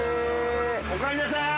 ・おかえりなさい。